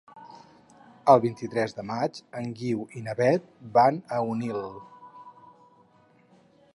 El vint-i-tres de maig en Guiu i na Beth van a Onil.